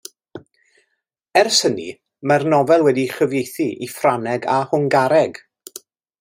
Ers hynny mae'r nofel wedi'i chyfieithu i Ffrangeg a Hwngareg.